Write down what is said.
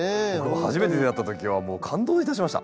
初めて出会った時はもう感動いたしました。